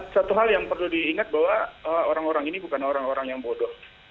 satu hal yang perlu diingat bahwa orang orang ini bukan orang orang yang bodoh